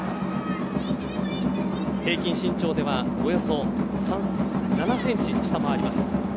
平均身長ではおよそ７ｃｍ下回ります。